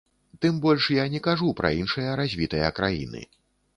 Тым больш я не кажу пра іншыя развітыя краіны.